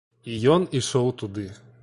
І ён ішоў туды.